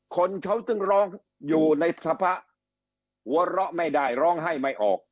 คนเขาจึงร้องอยู่ในสภาพหัวเราะไม่ได้ร้องไห้ไม่ออก